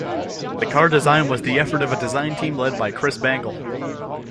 The car design was the effort of a design team led by Chris Bangle.